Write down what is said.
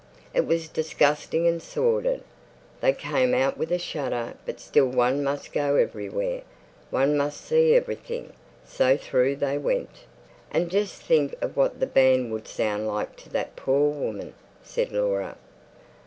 It was disgusting and sordid. They came out with a shudder. But still one must go everywhere; one must see everything. So through they went. "And just think of what the band would sound like to that poor woman," said Laura.